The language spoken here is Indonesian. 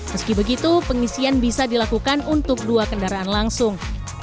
meski begitu pengisian bisa dilakukan untuk dua kendaraan langsung